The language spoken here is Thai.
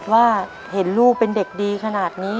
ว่าเห็นลูกเป็นเด็กดีขนาดนี้